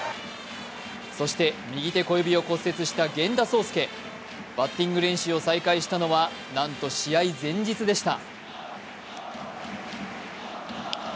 そして右手小指を骨折した源田壮亮。バッティング練習を再開したのはなんと試合前日でした。